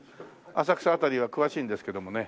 浅草辺りは詳しいんですけどもね。